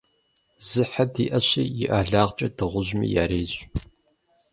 Зы хьэ диӀэщи, и ӀэлагъкӀэ дыгъужьми ярейщ.